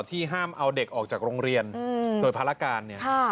ที่ห้ามเอาเด็กออกจากโรงเรียนโดยภารการเนี่ย